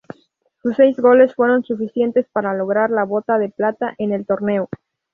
Sus seis goles fueron suficientes para lograr la Bota de Plata en el torneo.